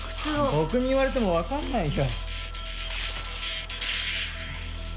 僕に言われてもわかんないよ。